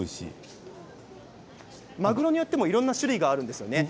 マグロによってもいろんな種類があります。